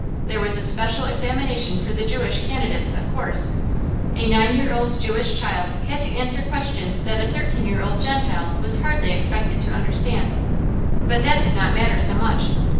There was a special examination for the Jewish candidates, of course; a nine year old Jewish child had to answer questions that a thirteen year old Gentile was hardly expected to understand. But that did not matter so much.